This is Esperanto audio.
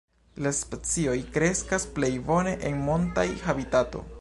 La specioj kreskas plej bone en montaj habitato.